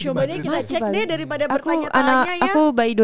coba deh kita cek deh daripada pertanyaannya ya